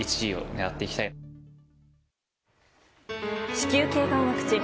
子宮頸がんワクチン。